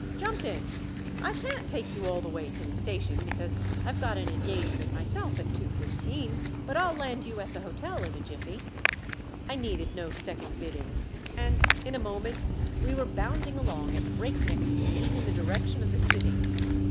Jump in. I can't take you all the way to the station, because I've got an engagement myself at two fifteen; but I'll land you at the hotel in a jiffy." I needed no second bidding, and in a moment we were bounding along at breakneck speed in the direction of the city.